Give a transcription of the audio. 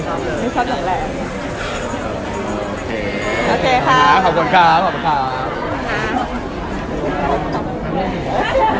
โอเคโอเคค่ะขอบคุณค่ะขอบคุณค่ะ